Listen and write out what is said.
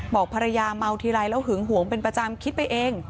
บอกภรรยาเมาทีไรแล้วหึงหวงเป็นประจำคิดไปเอง